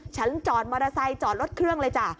จอดมอเตอร์ไซค์จอดรถเครื่องเลยจ้ะ